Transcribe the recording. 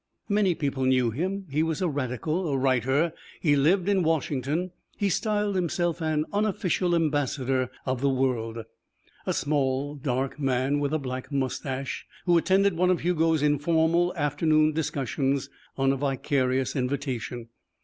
Many people knew him; he was a radical, a writer; he lived in Washington, he styled himself an unofficial ambassador of the world. A small, dark man with a black moustache who attended one of Hugo's informal afternoon discussions on a vicarious invitation.